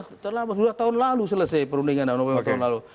sebenarnya sudah selesai perundingan tahun lalu